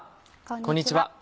こんにちは。